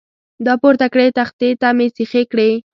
را پورته کړې، تختې ته مې سیخې کړې.